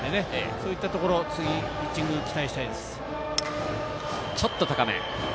そういったところ次、ピッチング期待したいです。